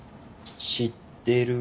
知ってる。